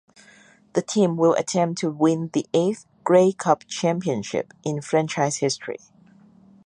The team will attempt to win the eighth Grey Cup championship in franchise history.